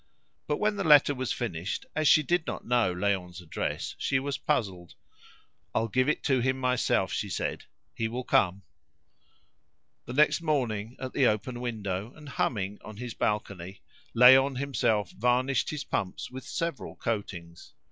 But when the letter was finished, as she did not know Léon's address, she was puzzled. "I'll give it to him myself," she said; "he will come." The next morning, at the open window, and humming on his balcony, Léon himself varnished his pumps with several coatings.